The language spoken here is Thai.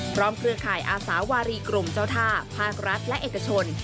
เครือข่ายอาสาวารีกรมเจ้าท่าภาครัฐและเอกชน